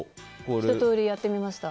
一通りやってみました。